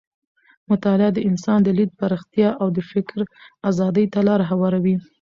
مطالعه د انسان د لید پراختیا او د فکر ازادۍ ته لاره هواروي.